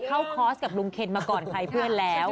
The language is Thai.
คอร์สกับลุงเคนมาก่อนใครเพื่อนแล้ว